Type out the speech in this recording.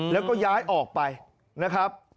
แล้วก็ย้ายออกไปนะครับ